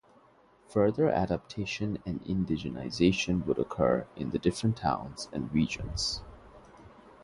Further adaptation and indigenization would occur in the different towns and regions.